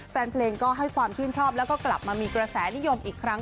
แฟนเพลงก็ให้ความชื่นชอบแล้วก็กลับมามีกระแสนิยมอีกครั้ง